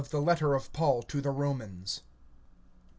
THE LETTER OF PAUL TO THE ROMANS. I.